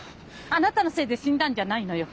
あなたのせいで死んだんじゃないのよ。